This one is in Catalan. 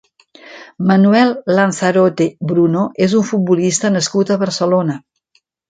Manuel Lanzarote Bruno és un futbolista nascut a Barcelona.